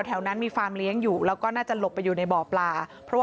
แถวนั้นมีฟาร์มเลี้ยงอยู่แล้วก็น่าจะหลบไปอยู่ในบ่อปลาเพราะว่า